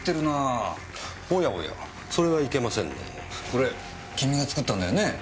これ君が作ったんだよね？